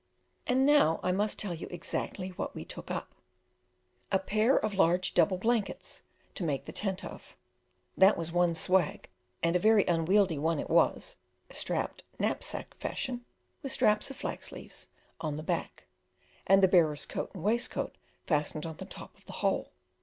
And now I must tell you exactly what we took up. A pair of large double blankets to make the tent of, that was one swag, and a very unwieldy one it was, strapped knapsack fashion, with straps of flax leaves, on the back, and the bearer's coat and waistcoat fastened on the top of the whole.